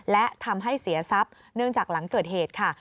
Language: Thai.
และทำให้เสียทรัพย์เนื่องจากหลังเกิดเหตุค่ะ